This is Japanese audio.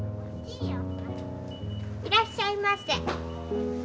いらっしゃいませ。